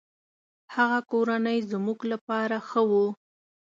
هغه کورنۍ زموږ له پاره ښه شوه.